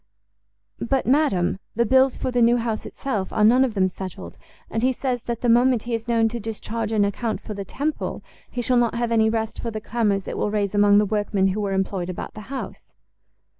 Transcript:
"But, madam, the bills for the new house itself are none of them settled, and he says that the moment he is known to discharge an account for the Temple, he shall not have any rest for the clamours it will raise among the workmen who were employed about the house."